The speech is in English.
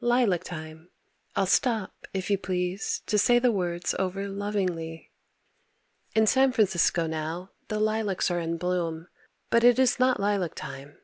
Lilac time I'll stop, if you please, to say the words over lovingly. In San Francisco now the lilacs are in bloom but it is not lilac time.